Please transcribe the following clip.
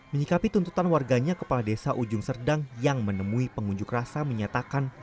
menyikapi tuntutan warganya kepala desa ujung serdang yang menemui pengunjuk rasa menyatakan